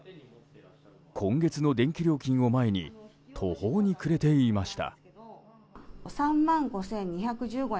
今月の電気料金を前に途方に暮れていました。